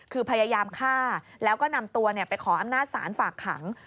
คือพยายามฆ่าแล้วก็นำตัวไปขออำนาจศาลฝากขัง